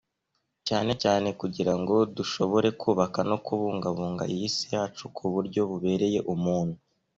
cyane cyane kugira ngo dushobore kubaka no kubungabunga iyi si yacu ku buryo bubereye muntu